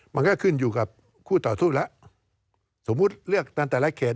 มันก็ขึ้นอยู่กับคู่ต่อสู้แล้วสมมุติเลือกตั้งแต่ละเขต